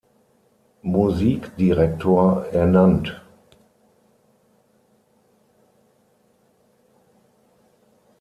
Musikdirektor ernannt.